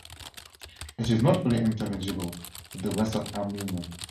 It is not fully intelligible with the rest of Armenian.